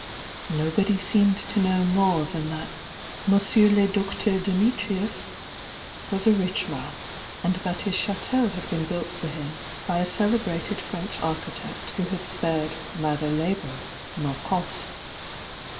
Nobody seemed to know more than that "Monsieur le Docteur Dimitrius" was a rich man, and that his Chateau had been built for him by a celebrated French architect who had spared neither labour nor cost.